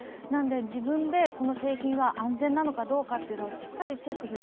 自分でこの製品は安全なのかどうかというのをしっかりチェックする。